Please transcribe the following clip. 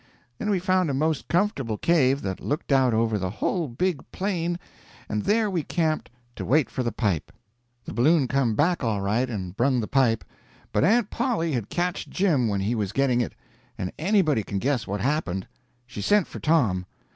Then we found a most comfortable cave that looked out over the whole big plain, and there we camped to wait for the pipe. The balloon come back all right, and brung the pipe; but Aunt Polly had catched Jim when he was getting it, and anybody can guess what happened: she sent for Tom.